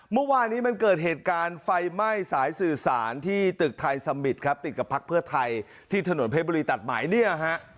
เมื่อวานนี้มันเกิดเหตุการณ์ไฟไหม้สายสื่อสารที่ตึกไทยสมิตรครับติดกับพักเพื่อไทยที่ถนนเพชรบุรีตัดหมายเนี่ยฮะ